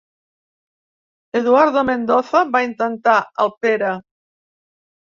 Eduardo Mendoza? —va intentar el Pere.